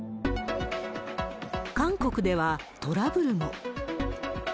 韓国ではトラブルも。